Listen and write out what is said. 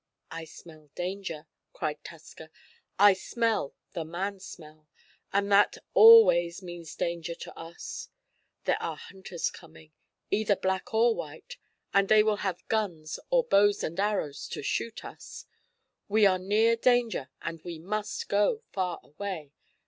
"I smell danger," cried Tusker. "I smell the man smell, and that always means danger to us. There are hunters coming either black or white and they will have guns or bows and arrows to shoot us. We are near danger and we must go far away.